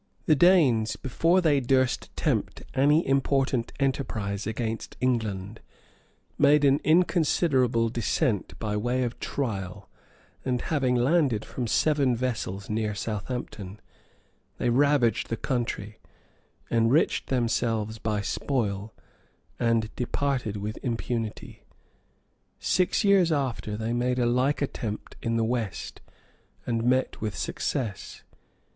{981.} The Danes, before they durst attempt any important enterprise against England, made an inconsiderable descent by way of trial; and having landed from seven vessels near Southamptom, they ravaged the country, enriched themselves by spoil, and departed with impunity. Six years after, they made a like attempt in the west, and met with like success.